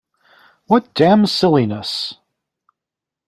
What damn silliness!